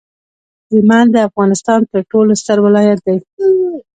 هلمند د افغانستان ترټولو ستر ولایت دی